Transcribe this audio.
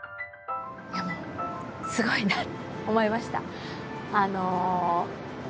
いやもうすごいなと思いました。